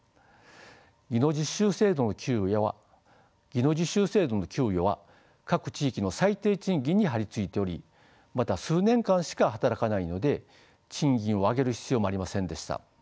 技能実習生の給与は各地域の最低賃金に張り付いておりまた数年間しか働かないので賃金を上げる必要もありませんでした。